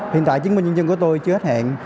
hiện tại chứng minh nhân dân của tôi chưa hết hẹn